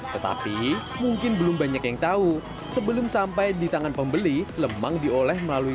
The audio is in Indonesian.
tetapi mungkin belum banyak yang tahu sebelum sampai di tangan pembeli lemang dioleh melalui